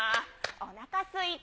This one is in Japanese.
おなかすいた。